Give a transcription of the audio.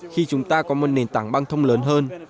khi chúng ta có một nền tảng băng thông lớn hơn